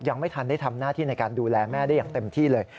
ยังไม่ทันได้ทำหน้าที่ในการดูแลแม่ได้อย่างเต็มที่เลย